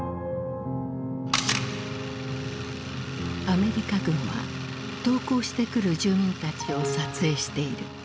アメリカ軍は投降してくる住民たちを撮影している。